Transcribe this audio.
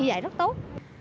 vì vậy rất tốt